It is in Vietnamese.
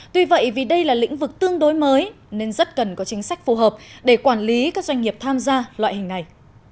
tuy vậy vì đây là lĩnh vực tương đối mới nên rất cần có chính sách phù hợp để quản lý các doanh nghiệp tham gia loại hình này